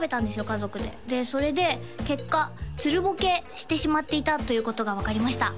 家族ででそれで結果つるぼけしてしまっていたということが分かりました